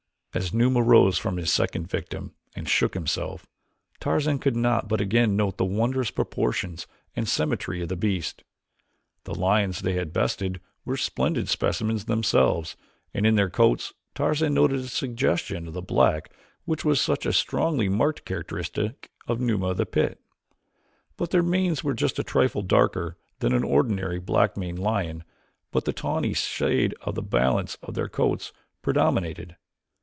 As Numa rose from his second victim and shook himself, Tarzan could not but again note the wondrous proportions and symmetry of the beast. The lions they had bested were splendid specimens themselves and in their coats Tarzan noted a suggestion of the black which was such a strongly marked characteristic of Numa of the pit. Their manes were just a trifle darker than an ordinary black maned lion but the tawny shade on the balance of their coats predominated.